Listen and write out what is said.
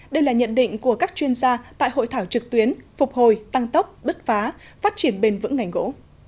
đây là nhận định của các chuyên gia tại hội thảo trực tuyến phục hồi tăng tốc bứt phá phát triển bền vững ngành gỗ